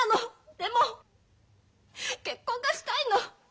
でも結婚がしたいの。